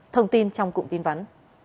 thông tin trong cụm tin vắn